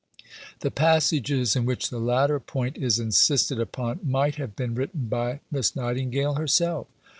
The passages in which the latter point is insisted upon might have been written by Miss Nightingale herself.